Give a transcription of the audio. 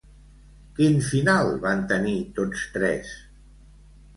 Quin final van tenir tots tres?